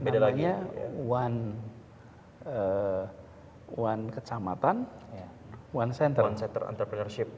namanya one kecamatan one center